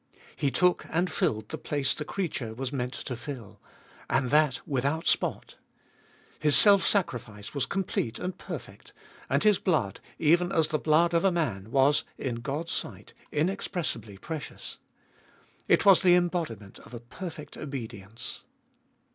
He took and filled the place the creature was meant to fill. And that without spot. His self sacrifice was complete and perfect, and His blood, even as the blood of a man, was, in God's sight, inexpressibly precious. It was the embodiment of a perfect obedience.